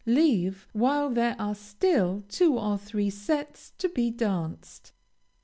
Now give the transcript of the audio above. Leave while there are still two or three sets to be danced.